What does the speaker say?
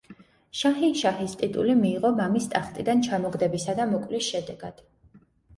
შაჰინშაჰის ტიტული მიიღო მამის ტახტიდან ჩამოგდებისა და მოკვლის შედეგად.